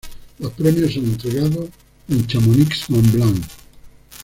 Los premios son entregados en Chamonix-Mont-Blanc.